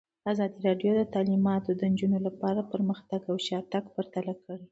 ازادي راډیو د تعلیمات د نجونو لپاره پرمختګ او شاتګ پرتله کړی.